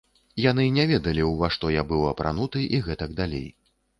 Яны не ведалі, ува што я быў апрануты і гэтак далей.